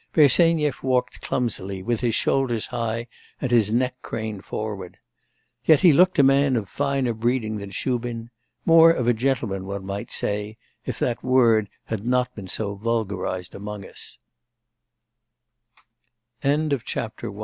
Bersenyev walked clumsily, with his shoulders high and his neck craned forward. Yet, he looked a man of finer breeding than Shubin; more of a gentleman, one might say, if that word had not been so vul